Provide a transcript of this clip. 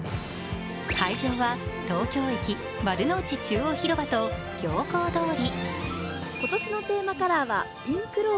会場は東京駅・丸の内中央広場と行幸通り。